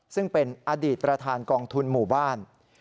ซึ่งเป็นอดีตประธานกองทุนหมู่บ้าน